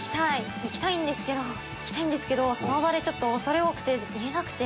行きたいんですけど行きたいんですけどその場でちょっと恐れ多くて言えなくて。